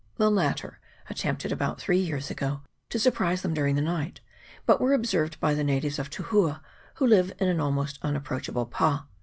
The latter at tempted, about three years ago, to surprise them during the night, but were observed by the natives of Tuhua, who live in an almost unapproachable pa.